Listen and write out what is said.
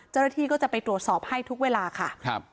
เจ้าหน้าที่ก็จะไปตรวจสอบให้ทุกเวลาค่ะ